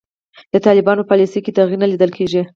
د طالبانو په پالیسیو کې تغیر نه لیدل کیږي.